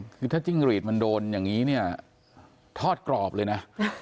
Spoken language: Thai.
คือถ้าจิ้งหรีดมันโดนอย่างนี้เนี่ยทอดกรอบเลยนะ